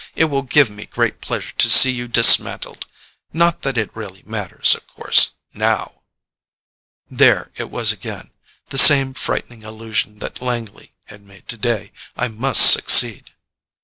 It will give me great pleasure to see you dismantled. Not that it really matters, of course now." There it was again. The same frightening allusion that Langley had made today. I must succeed!